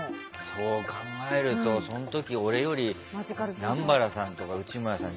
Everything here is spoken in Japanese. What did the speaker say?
そう考えるとその時、俺より南原さんとか内村さん